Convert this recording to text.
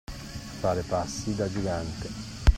Fare passi da gigante.